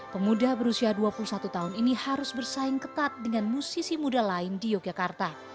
pemuda berusia dua puluh satu tahun ini harus bersaing ketat dengan musisi muda lain di yogyakarta